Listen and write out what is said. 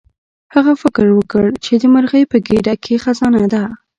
هغه فکر وکړ چې د مرغۍ په ګیډه کې خزانه ده.